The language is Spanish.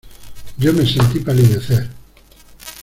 yo me sentí palidecer.